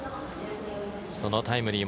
そのタイムリー